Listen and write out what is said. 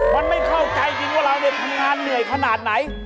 มันไม่เข้าใจจริงว่าเราทำงานเหนื่อยขนาดไหน